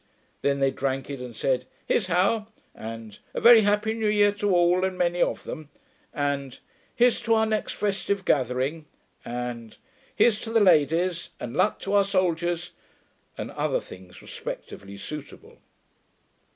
Then they drank it, and said 'Here's how,' and 'A very happy new year to all and many of them,' and 'Here's to our next festive gathering,' and 'Here's to the ladies,' and 'Luck to our soldiers,' and other things respectively suitable.